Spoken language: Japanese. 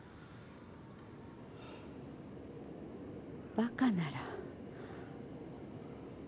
バカなら。